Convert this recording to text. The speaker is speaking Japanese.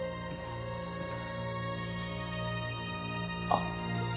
あっ。